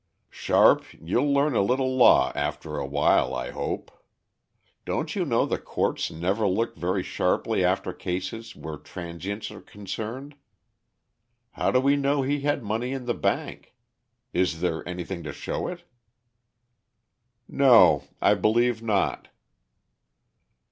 "Sharp, you'll learn a little law after awhile, I hope. Don't you know the courts never look very sharply after cases where transients are concerned? How do we know he had money in the bank? Is there anything to show it?" "No; I believe not."